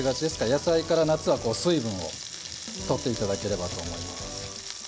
野菜から水分をとっていただければと思います。